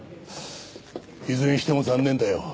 いずれにしても残念だよ。